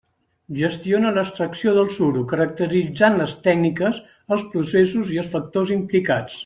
Gestiona l'extracció del suro caracteritzant les tècniques, els processos i els factors implicats.